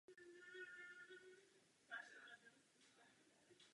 Zadruhé musíme vyvážit navrhované právní předpisy o hospodářské správě.